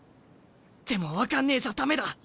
でも「分かんねえ」じゃ駄目だ。